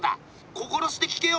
心して聞けよ。